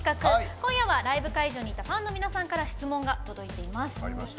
今日はライブ会場にいたファンの皆さんから質問が届いています。